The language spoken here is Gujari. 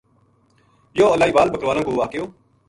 یوہ الائی وال بکروالاں کو واقعو